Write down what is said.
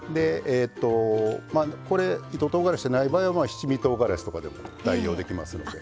これ糸とうがらしない場合は七味とうがらしとかでも代用できますのでぜひ。